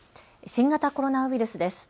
新型コロナウイルスです。